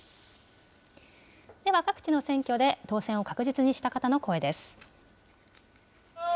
では、各地の選挙で当選を確実にした方の声です。